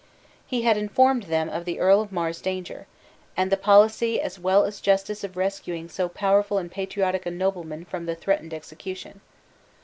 He had informed them of the Earl of Mar's danger, and the policy as well as justice of rescuing so powerful and patriotic a nobleman from the threatened execution.